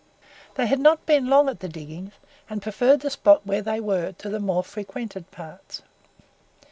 They had not been long at the diggings, and preferred the spot where they were to the more frequented parts.